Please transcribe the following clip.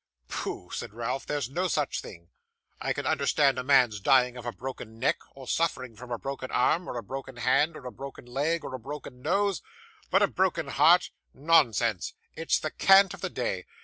'Pooh!' said Ralph, 'there's no such thing. I can understand a man's dying of a broken neck, or suffering from a broken arm, or a broken head, or a broken leg, or a broken nose; but a broken heart! nonsense, it's the cant of the day.